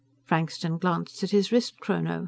Frankston glanced at his wristchrono.